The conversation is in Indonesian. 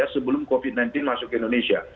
sebelum covid sembilan belas masuk ke indonesia